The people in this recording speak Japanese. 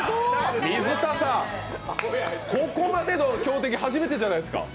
水田さん、ここまでの強敵初めてじゃないですか？